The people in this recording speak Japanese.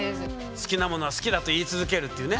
好きなものは好きだと言い続けるっていうね。